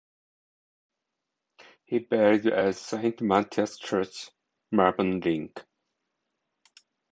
He is buried at Saint Mathias Church, Malvern Link.